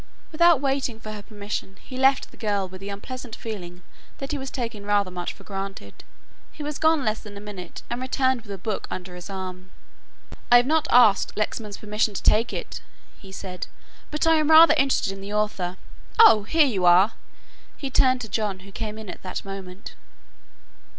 Without waiting for her permission he left the girl with the unpleasant feeling that he was taking rather much for granted. He was gone less than a minute and returned with a book under his arm. "I have not asked Lexman's permission to take it," he said, "but I am rather interested in the author. Oh, here you are," he turned to John who came in at that moment.